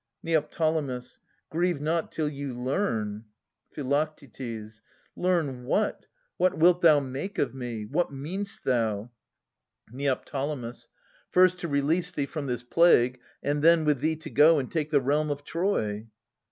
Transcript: Neo. Grieve not till you learn. Phi. Learn what ? What wilt thou make of me ? What mean'st thou ? Neo. First to release thee from this plague, and then With thee to go and take the realm of Troy.